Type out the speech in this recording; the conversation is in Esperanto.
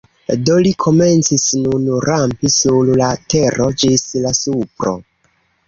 Do li komencis nun rampi sur la tero ĝis la supro.